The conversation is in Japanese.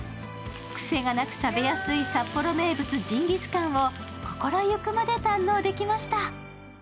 癖がなく食べやすい札幌名物ジンギスカンを心ゆくまで堪能できました。